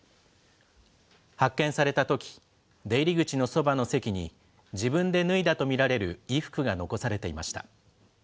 発見されたとき、出入り口のそばの席に、自分で脱いだと見られる衣服が残されていました。